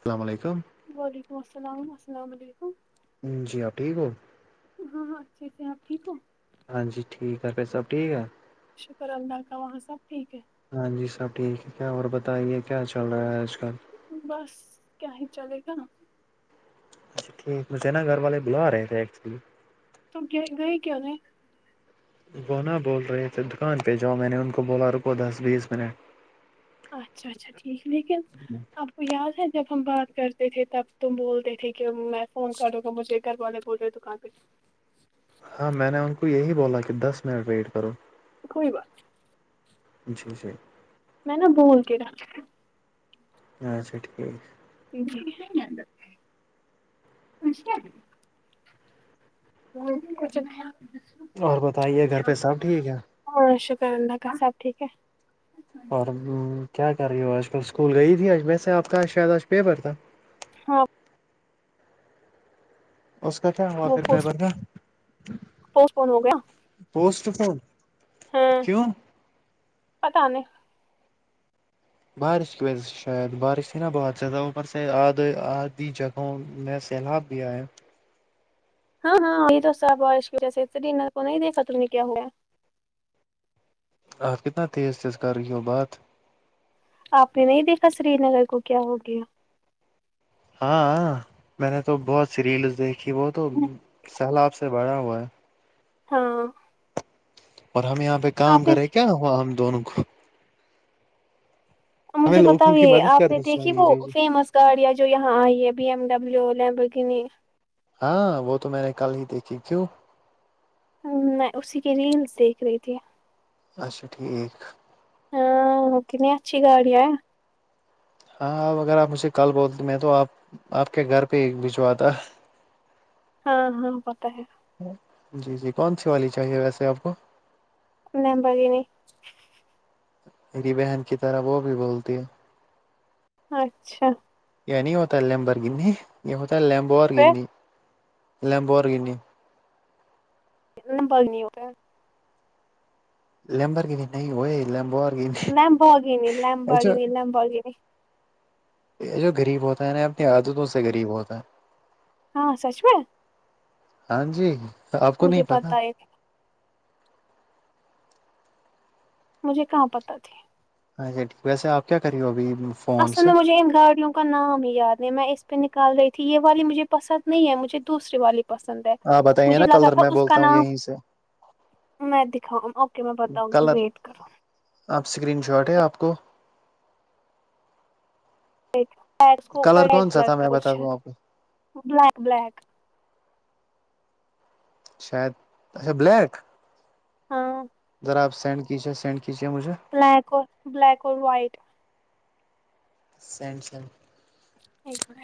السلام علیکم السلام علیکم السلام علیکم جی آپ ٹھیک ہو ہاں ہاں اچھے سے آپ ٹھیک ہو ہاں جی ٹھیک ہےگھر پی سب ٹھیک ہے شکر اللہ کا وہاں سب ٹھیک ہے ہاں جی سب ٹھیک ہے کیا اور بتائیے کیا چل رہا ہے آج کل بس کیا ہی چلے گا اچھا ٹھیک مجھے نا گھر والے بلا رہے تھے ایکچولی تو کیا گئے کیانے وہونا بول رہے تھے دکان پہ جاؤ میں نے ان کو بولا رکو دس بیس منٹ اچھا اچھا ٹھیک لیکن اب یاد ہے جب ہم بات کرتے تھے تب تم بولتے تھے کہ میں فون کرو گا مجھے گھر والے بولے تو [unintelligible] ہاں میں نے ان کو یہی بولا کہ دس منٹ ویٹ کرو کولی بات نہی جی جی میں نا بول کے رہا اچھا ٹھیک مش [unintelligible] [inaudible] کچھ نہیں [inaudible] [unintelligible] اور بتائیے گھر پہ سب ٹھیک ہے ہاں شکرانندہ کا سب ٹھیک ہے اور کیا کر رہی ہو آج کل اسکول گئی تھی آج میں سے آپ کا شاید آج پیپر تھا ہاں اس کا کیا ہوا وہ پوسٹ ڈرائیور کا پوسٹ پون ہو گیا پوسٹ کیوں پت نہیں بارش کی وجہ سے شاید بارش تھی نا بہت زیادہ اوپر سےید آدھ آدھی جگہ ہ میں سیلاب بھی آیا ہاں ہاں یہ تو ساف بارش کی وجہ سے انر کو نہیں د ختم نہیں کیا ہو ہے آپ کتنا تیز تیز کر رہی ہو بات آپ نے نہیں دیکھا سری نگر کو کیا ہو گیا ہاں میں نے تو بہت سیریلس دیکھی وہ تو سیلاب سے بھرا ہوا ہے [inaudible] اور ہم یہاں پہ کام آپ نے کرے کیا ہوا ہم دونوں کو ہمیں مجھے بتا لوگوں ہو کی مدد آپ نے کرنی دیکھی چاہیے وہ جی جی فیمس گاڑیاں جو یہاں آئی ہے بی ایم ڈبلو لبر کینی ہاں وہ تو میں نے کل ہی دیکھی کیوں میں اسی کی ریلس دیکھ رہی تھی اچھا ٹھیک ہاں کنی اچھی گاڑی ہے ہاں آب اگر آپ مجھے کال بولتے میں تو آپ آپ کے گھر پہ بھجوا تھا [unintelligible] [inaudible] ہاں ہاں پت ہے جی جی کون سی والی چاہیے ویسے آپ کو ن بگین [unintelligible] میری بہن کی طرح وہ بھی بولتی ہے اچھا نہیں ہوتا ہے لمب اور گنی یہ ہوتا ہے لمبو اور پھر گنی لمبو اور گنی ن بول نہیں ہو [unintelligible] لمبر کی بھی نہیں ہو لمب لمب ہوگینی لمب آگینی لمب ہوگین یہ جو غریب ہوتا ہے نا اپنی عادتوں سے غریب ہوتا ہے ہاں سچ میں ہاں جی آپ کو نہیں مجھے پتا ہے مجھے کہاں پتا تھی اچھا ٹھیک ویسے آپ کیا کر رہی ہو ابھی فون اصل سے میں مجےہم گاڑیوں نام ہی یاد نہیں میں اس پہ نکال رہی تھی یہ والی مجھے پسند نہیں ہے مجھے دوسری والی پسند ہے آپ بتائیے مجھے نا لگا کلر تھا میں اس کا بولتا ہوں نام یہیں سے میں دکھاں اوکے میں پتا ہوں گی کلر ویٹ کرو آپ اسکرین شاٹ ہے آپ کو کو کلر اوپر کون سا کا تھا میں بتا کچھ دوں آپ کو بلیک بلیک شاید اچھا بلیک ہاں ذا آپ سینڈ کیجیے سینڈ کیجیے مجھے بلیک اور بلیک اور وائٹ [unintelligible] سیمسنگ [unintelligible] ایک با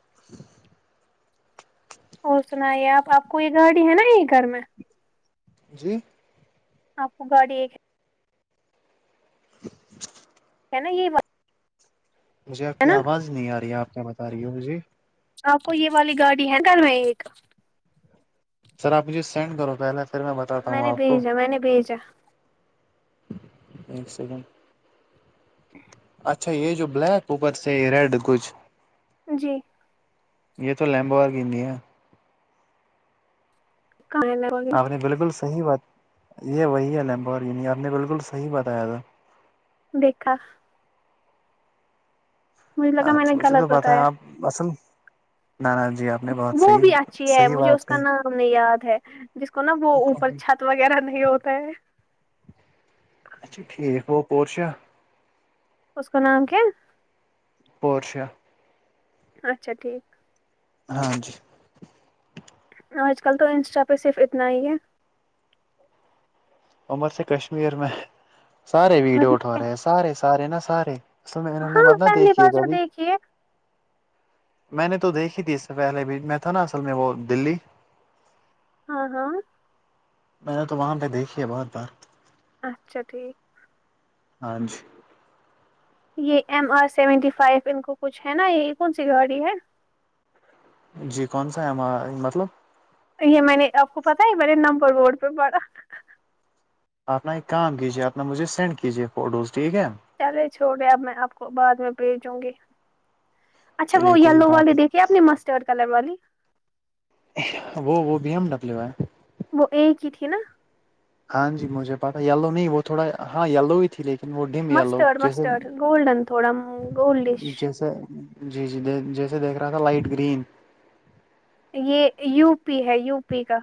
[inaudible] اور سناائی آپ آپ کو یہ گاڑی ہے نا یہ گھر میں جی آپ کو گاڑی ایک [inaudible] ہے نا یہ [unintelligible] مجھے آپ ہے کی نا آواز نہیں آ رہی ہے آپ کیا بتا رہی ہو مجھے آپ کو یہ والی گاڑی ہے گھر میں ایک سر آپ مجھے سینڈ کرو پہلے پھر میں بتاتا ہوں نے آپ کو بھیجا میں نے بھیجا [unintelligible] اسلام اچ [unintelligible] اچھا یہ جو بلیک اوپر سے یہ ریڈ کچھ جی یہ تو لمبوار گی ہیں [unintelligible] ک [unintelligible] آپ نے بالکل صحیح بات یہ وہی ہے لیمبا یہ نہیں آپ نے بالکل صحیح بتایا تھا دیکھا [unintelligible] مجھے لگا میں اچھ نے مجھے تو غلط پت ہے بتایا آپ اصل نان جی آپ [unintelligible] آ نے بہت صحیح صحیح بات ہوئی [unintelligible] ت نے یاد ہے جس کو نا وہ اوپر چھت وغیرہ نہیں ہوتا ہے [unintelligible] اچا ٹھیک وہ پور ش [unintelligible] اس کا نام کیا پورشہ اچھا ٹھیک ہاں جی آج کل تو انسٹا پہ صرف اتنا ہی ہے عمر سے کشمیر میں سارے ویڈیو ورنہ اٹھا کیا؟ رہے ہیں سارے سارے نا سارے ال میں انہوں نے ہاں مت نہ پہلی بار دیکھیے جو گابھی [unintelligible] دیکھیے میں نے تو دیکھی تھی اس سے پہلے بھی میں تھا نا اصل میں وہ دلی ہاں ہاں میں نے تو وہاں پہ دیکھی ہے بہت بار اچھا ٹھیک ہاں جی یہ ایم آر سیونٹی فائیو ان کو کچھ ہے نا یہی کون سی گاڑی ہے [unintelligible] جی کون سا ہے ہمار مطلب یہ میں نے آپ کو پتا ہے مے نمبر روڈ پہ پڑا اپنا ایک کام کیجیے اپنا مجھے سینڈ کیجیے فوٹوز ٹھیک ہے چلے چھوڑے اب میں آپ کو بعد میں بھیجوں گی اچھا چلیے وہ کوئی یلو بات والے دیکھ [unintelligible] کہ اپنی مسٹور کلر والی وہ وہ بی ایم ڈبلیو ہے وہ ایک ہی تھی نا ہاں جی مجھے پہتا یلو نہیں وہ تھوڑا ہاں یلو ہی تھی لیکن وہ ڈم یلو مسٹرڈ جیسے مسٹرڈ گولڈن تھوڑا گولڈش جیسے [unintelligible] جی جی جیسے دیکھ رہا تھا لائٹ گرین یہ یو پی ہے یو پی کا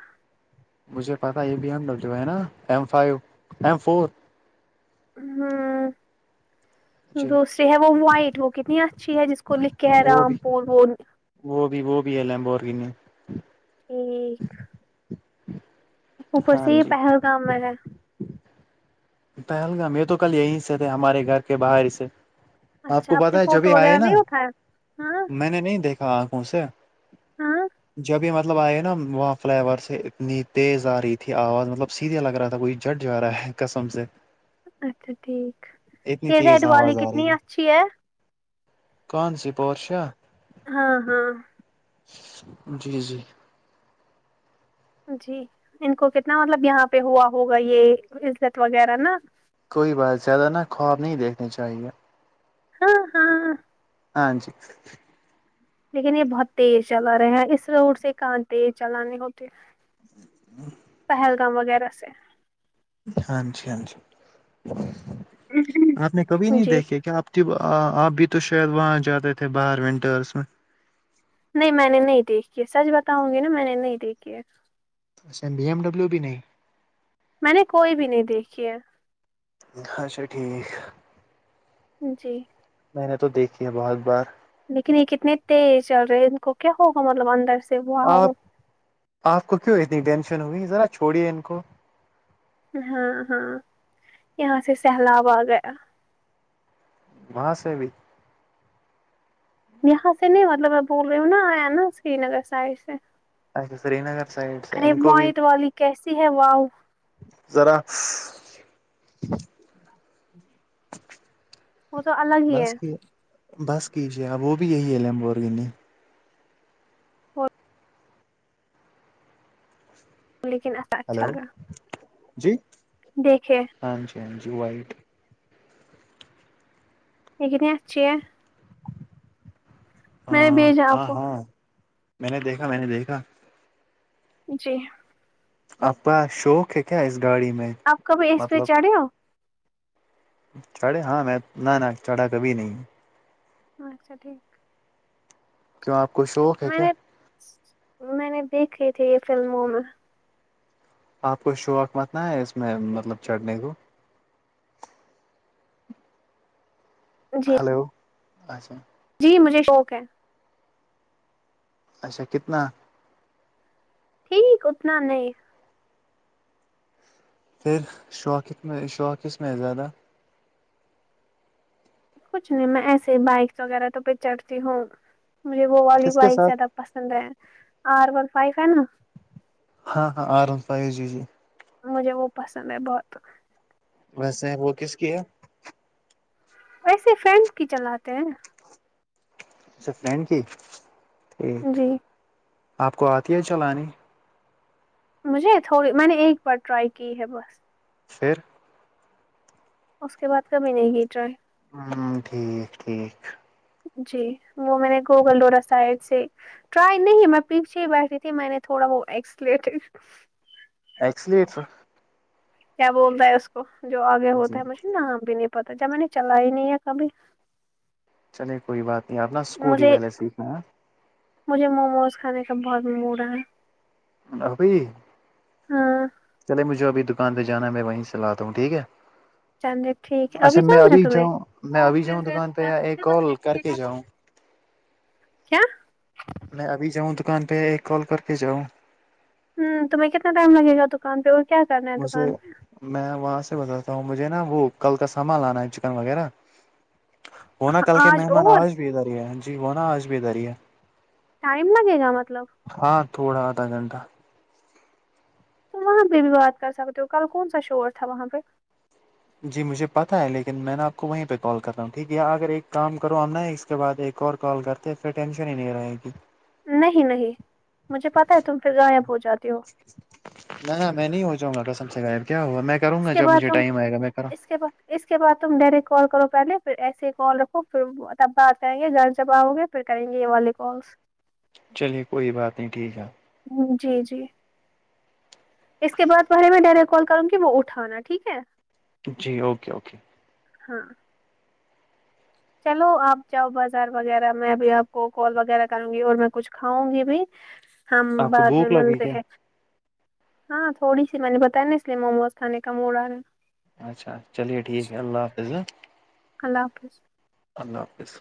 مجھے پتا یہ بی ایم ڈبو ہے نا ایم فو ایم فور ہوں جی دوسری ہے وہ وائٹ وہ کتنی [inaudible] اچ ہے جس کو لکھ کے ہے وہ رام بھی پور وہ [inaudible] وہ بھی وہ بھی ہے لمبو اور کی ٹھیک [inaudible] اوپر ہاں سے یہ جی پہلگام میں ہے پہلگام یہ تو کل یہیں سے تھے ہمارے گھر کے باہر سے آپ اچھا کو نے پتا ہے فوٹو جبھی آئے وغیرہ نا نہیں اٹھایا ہاں میں نے نہیں دیکھا آنکھوں سے ہاں جب م [inaudible] مطلب آئے نا وہاں فلائیور سے اتنی تیز آ رہی تھی آواز مطلب سیدھے لگ رہا تھا کوئی جٹ جا رہا ہے قسم سے اچھا ٹھیک اتنی یہ ریڈ تیز والی آواز کتنی اچھی ہے کان سی پہورشا ہاں ہاں جی جی جی ان کو کتنا مطلب یہاں پہ ہوا ہوگا یہ عزت وغیرہ نا کوئی بات زیادہ نا خواب نہیں دیکھنے چاہیے ہاں ہاں ہاں جی لیکن یہ بہت تیز چلا رہے ہیں اس روڈ سے کہاں تیز چلانی ہوتی ہاں [inaudible] پہلگام وغیرہ سے ہاں جی ہاں جی سے آپ نے کبھی نہیں جی دیکھے کیا آپ آپ بھی تو شاید وہاں جیادہ ت تھ بار ونٹرس میں نہیں میں نے نہیں دیکھی سچ بتاؤں گی نا میں نے نہیں دیکھی ہے ا بی ایم ڈبلو بھی نہیں میں نے کوئی بھی نہیں دیکھی ہے اچھا ٹھیک جی میں نے تو دیکھی ہے بہت بار لیکن یہ کتنے تیز چل رہے ہیں ان کو کیا ہوگا مطلب اندر سے واؤ آپ آپ کو کیوں اتنی ٹینشن ہوگئی ذرا چھوڑیے ان کو ہاں ہاں یہاں سے سہلاب آ گیا وہاں سے بھی یہاں سے نہیں مطلب میں بول رہی ہوں نا آیا نا سری نگر سائڈ سے اچھا سری نگر سائڈ سے ارے ان کو بھی موائٹ والی کیسی ہے واؤ ذرا [inaudible] ب [inaudible] ہی بس ہے بس کیجیے آب وہ بھی یہی ہے لمبورگ نے وہ لیکن ایسا اچھل ہلو رہا [inaudible] جی دیکھے ہاں جی ہاں جی وائٹ یہیکن آچے [unintelligible] نے ہاں بھیجا آپ ہاں کو ہاں میں نے دیکھا میں نے دیکھا جی اا شوق ہے کیا اس گاڑی میں آپ کبھی اس پہ مطلب چڑھے ہو چڑھے ہاں میں نہ نہ چڑھا کبھی نہیں اچھا ٹھیک کیوں آپ کو شوق ہے میں کیا نے میں نے دیکھھی تھی یہ فلموں میں آپ کو شوق متنا ہے اس میں مطلب چڑھنے کو جی ہلو اچھا جی مجھے شوق ہے اچھا کتنا ٹھیک اتنا نہیں پھر شوق میں شوق میں ہے زیادہ کچھ نہیں میں ایسے بائکس وغیرہ تو پہ چڑھتی ہوں مجھے وہ والی کس کے بائک ساتھ زیادہ پسند رہے ہیں آر ون فائیو ہے نا ہاں ہاں آرام فائیو جی جی مجھے وہ پسند ہے بہت ویسے وہ کس کی ہے ایسے فرینڈ کی چلاتے ہیں اسے فرینڈ کی ٹھیک جی آپ کو آتی ہے چلانی مجھے تھوڑی میں نے ایک بار ٹرائی کی ہے بس پھر اس کے بعد کبھی نہیں کی ٹرائی ہوں ٹھیک ٹھیک جی وہ میں نے گوگلڈورا سائڈ سے ٹرائی نہیں میں پیچھے ہی بیٹھھی تھی میں نے تھوڑا وہ ایکسلیٹ ایس لیٹر کیا بولتا ہے اس کو جو آگے ہوتا جی ہے مجھے نام بھی نہیں پتا جب میں نے چلا ہی نہیں ہے کبھی چلے کوئی بات نہیں آپ نا اسکوٹی مجھے والے سیکھنا مجھے موموز کھانے کا بہت موڈا ابھی ہاں چلے مجھے ابھی دکان پہ جانا میں وہیں سے لاتا ہوں ٹھیک ہے چاندی ٹھیک ہے ابھی اچھا میں جاؤں نا میں ابھی جاؤں دکان پہ یا تم ایک کال کر کے جاؤں کیا میں ابھی جاؤں دکان پہ ایک کال کر کے جاؤں ہوں تمہیں کتنا ٹائم لگےا دکان پہ اور کیا کرنا ہے دکان مجھے پہ میں وہاں سے بتاتا ہوں مجھے نا وہ کل کا سامان لانا ہے چکن وغیرہ وہناا کل کے مہمان آج بھی ادھر ہے جی وہناا آج بھی ادھر ہی ہے ٹائم لگے گا مطلب ہاں تھوڑا آدھا گھنٹہ تو وہاں پہ بھی بات کر سکتے ہو کل کون سا شور تھا وہاں پہ جی مجھے پتا ہے لیکن میں نے آپ کو وہیں پہ کال کر رہا ہوں ٹھیک ہے اگر ایک کام کرو ہم نہ اس کے بعد ایک اور کال کرتے پھر ٹینشن ہی نہیں رہے گی نہیں نہیں مجھے پتا ہے تم پھر غائب ہو جاتے ہو نہ ن میں نہیں ہو جاں گاسم سے غب کیا ہوا میں کروں اس گا کے جب بعد مجھے تم ٹائم آئے گا میں کرا اس کے بعد اس کے بع تم ڈائریکٹ کال کرو پہلے پھر ایسے ہی کال رکھو پھر تب بات کریں گے جاں جب آؤ گے پھر کریں گے یہ والے کالس چلیے کوئی بات نہیں ٹھیک ہے جی جی اس کے بعد پہے میں ڈائریکٹ کال کروں گی وہ اٹ اٹھانا ٹھیک ہے جی اوکے اوکے ہاں چلو آپ جاؤ بازار وغیرہ میں اب آپ کو کال وغیرہ کروں گی اور میں کچھ کھاؤں گی بھی [inaudible] [unintelligible] ہم کو بعد میں بھوک لگی ملتے کیا ہیں ہاں تھوڑی سی میں نے بتایا نا اس لیے موموز کانے کا موڑا اچھا چلیے ٹھیک ہے اللہ حافظ اللہ حافظ اللہ حافظ